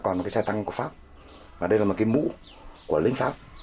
có thể được chức năng tham m sail và được hiệu pháp